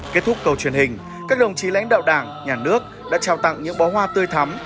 kết thúc cầu truyền hình các đồng chí lãnh đạo đảng nhà nước đã trao tặng những bó hoa tươi thắm